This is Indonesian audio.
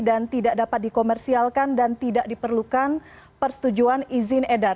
dan tidak dapat dikomersialkan dan tidak diperlukan persetujuan izin edar